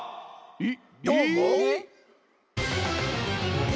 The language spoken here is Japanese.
えっ！